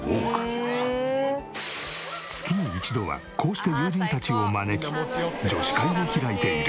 月に１度はこうして友人たちを招き女子会を開いている。